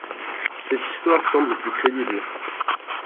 Cette histoire semble plus crédible.